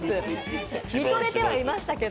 みとれてはいましたけど。